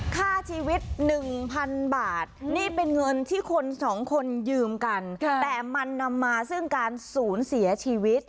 ค่าชีวิต๑๐๐๐บาทนี่เป็นเงินที่คนสองคนยืมกันแต่มันนำมาซึ่งการศูนย์เสียชีวิต